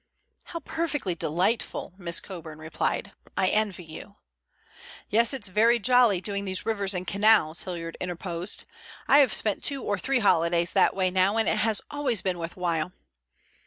"How perfectly delightful," Miss Coburn replied. "I envy you." "Yes, it's very jolly doing these rivers and canals," Hilliard interposed. "I have spent two or three holidays that way now, and it has always been worth while."